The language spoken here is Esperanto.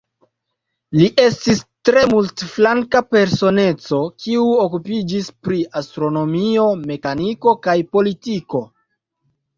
Li estis tre multflanka personeco, kiu okupiĝis pri astronomio, mekaniko kaj politiko.